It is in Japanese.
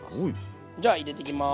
じゃ入れていきます。